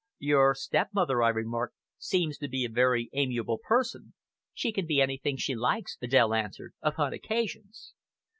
"Your stepmother," I remarked, "seems to be a very amiable person!" "She can be anything she likes," Adèle answered "upon occasions."